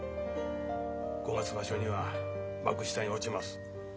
五月場所には幕下に落ちます。